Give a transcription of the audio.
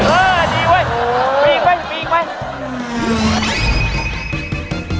เออดีเว้ยปีกไปปีกไป